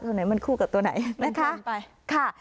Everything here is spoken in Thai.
ตัวไหนมันคู่กับตัวไหนนะคะไปค่ะ